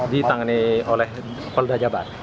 ditangani oleh pol da jawa barat